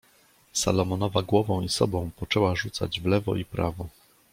"Salomonowa głową i sobą poczęła rzucać w lewo i prawo."